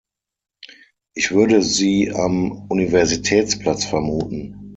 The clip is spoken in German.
Ich würde sie am Universitätsplatz vermuten.